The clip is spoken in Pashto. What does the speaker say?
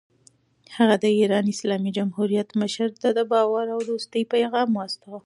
هغه د ایران اسلامي جمهوریت مشر ته د باور او دوستۍ پیغام واستاوه.